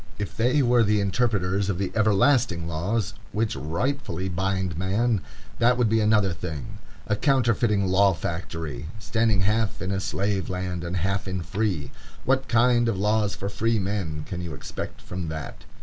If they were the interpreters of the everlasting laws which rightfully bind man, that would be another thing. A counterfeiting law factory, standing half in a slave land and half in a free! What kind of laws for free men can you expect from that?